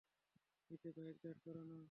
নিচে বাইক দাঁড় করানো।